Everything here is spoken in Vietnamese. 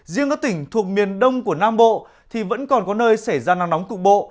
riêng các tỉnh thuộc miền đông của nam bộ thì vẫn còn có nơi xảy ra nắng nóng cục bộ